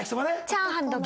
チャーハンとか。